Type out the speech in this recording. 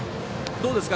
どうですか？